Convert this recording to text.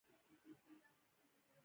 د الکسندریه ښارونه یې جوړ کړل